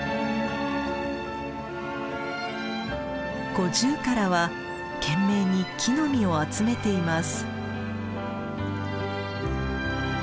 ゴジュウカラは懸命に木の実を集めています。